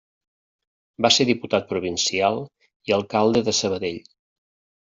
Va ser diputat provincial i alcalde de Sabadell.